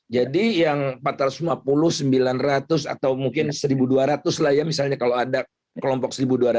jadi yang empat ratus lima puluh sembilan ratus atau mungkin seribu dua ratus lah ya misalnya kalau ada kelompok seribu dua ratus